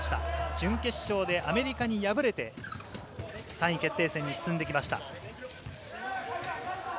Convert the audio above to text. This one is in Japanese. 準決勝でアメリカに敗れて３位決定戦に進んできました。